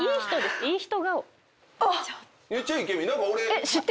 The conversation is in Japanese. えっ！